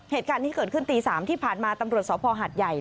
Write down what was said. เหตุการณ์ที่เกิดขึ้นตี๓ที่ผ่านมาตำรวจสภหัดใหญ่